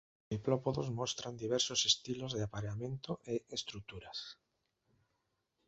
Os diplópodos mostran diversos estilos de apareamento e estruturas.